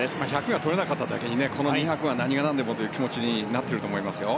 １００がとれなかっただけにこの２００は何が何でもという気持ちになっていると思いますよ。